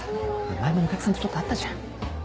前もお客さんとちょっとあったじゃん。